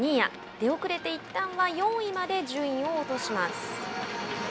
出遅れていったんは４位まで順位を落とします。